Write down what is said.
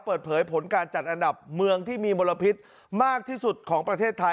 เปิดเผยผลการจัดอันดับเมืองที่มีมลพิษมากที่สุดของประเทศไทย